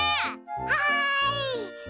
はい！